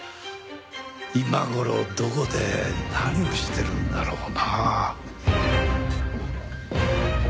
今頃どこで何をしてるんだろうなあ。